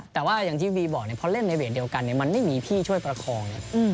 แต่ว่าอย่างที่บีบอกเนี่ยพอเล่นในเวทเดียวกันเนี่ยมันไม่มีที่ช่วยประคองเนี่ย